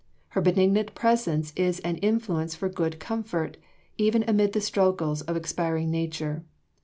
Her benignant presence is an influence for good comfort, even amid the struggles of expiring nature.